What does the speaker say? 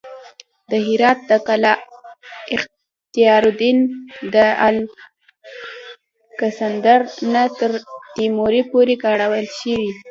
د هرات د قلعه اختیارالدین د الکسندر نه تر تیمور پورې کارول شوې